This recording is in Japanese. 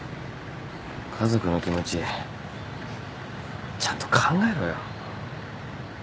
家族の気持ちちゃんと考えろよ。